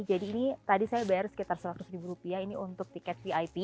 jadi ini tadi saya bayar sekitar seratus ribu rupiah